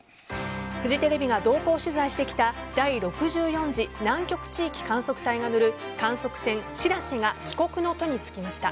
フジテレビが同行取材してきた第６４次南極地域観測隊が乗る観測船「しらせ」が帰国の途につきました。